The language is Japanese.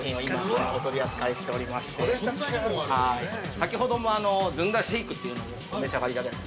◆先ほども、ずんだシェイクというのをお召し上がりいただいて。